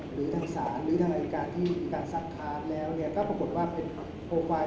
หรือทางสารหรือทางรายการที่ที่การซับคาร์ดแล้วเนี่ยก็ปรากฏว่าโปรไฟล์